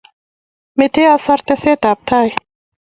Mete asirun teset ab tai